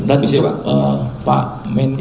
dan itu pak menko